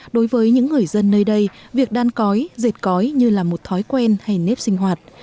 đối với những người dân nơi đây việc đan cói dệt cói như là một thói quen hay nếp sinh hoạt